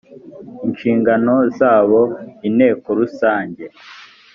nshingano zabo inteko rusange